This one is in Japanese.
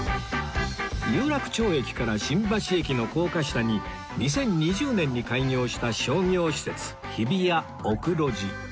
有楽町駅から新橋駅の高架下に２０２０年に開業した商業施設日比谷 ＯＫＵＲＯＪＩ